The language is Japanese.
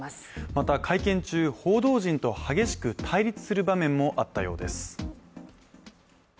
また会見中、報道陣と激しく対立する場面もあったようです。